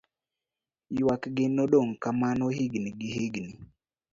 yuak gi nodong' kamano higni gihigni